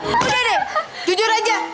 udah deh jujur aja